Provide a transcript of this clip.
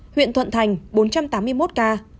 huyện thuận thành bốn trăm tám mươi một ca